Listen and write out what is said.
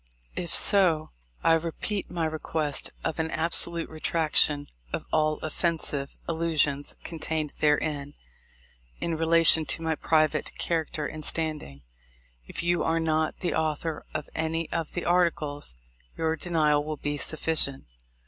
If so, I repeat my request of an absolute retraction of all offensive allusions contained therein in relation to my private character and standing. If you are not the author of any of the articles, your denial will be sufficient.